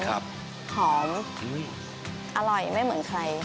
หอมอร่อยไม่เหมือนใคร